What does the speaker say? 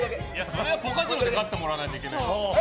それはポカジノで勝ってもらわないと。